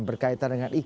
berkaitan dengan ikan